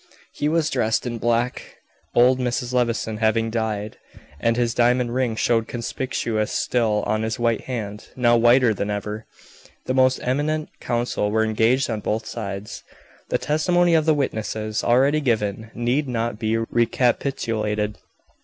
He was dressed in black, old Mrs. Levison having died, and his diamond ring shone conspicuous still on his white hand, now whiter than ever. The most eminent counsel were engaged on both sides. The testimony of the witnesses already given need not be recapitulated.